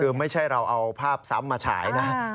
คือไม่ใช่เราเอาภาพซ้ำมาฉายนะ